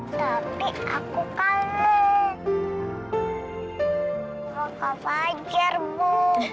kau kak fajar bu